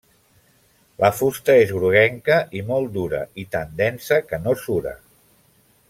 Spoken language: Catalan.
La fusta és groguenca i molt dura, i tan densa que no sura.